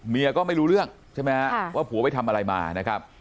ก็ไม่รู้เรื่องใช่ไหมฮะว่าผัวไปทำอะไรมานะครับ